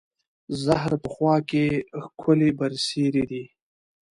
زهر په خوا کې، ښکلې برسېرې دي